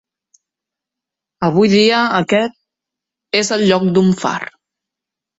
Avui dia aquest és el lloc d'un far.